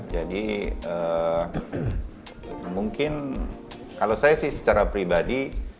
jadi mungkin kalau saya sih secara pribadi